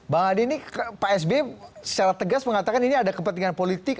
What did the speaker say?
bang adi ini pak sby secara tegas mengatakan ini ada kepentingan politik